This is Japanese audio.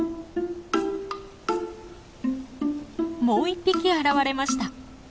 もう１匹現れました。